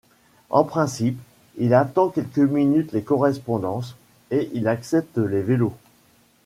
En principe il attend quelques minutes les correspondances, et il accepte les vélos.